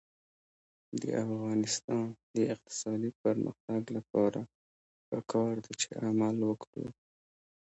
د افغانستان د اقتصادي پرمختګ لپاره پکار ده چې عمل وکړو.